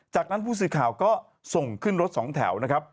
จากนั้นผู้สื่อข่าวก็ส่งขึ้นรถสองแถวนะครับ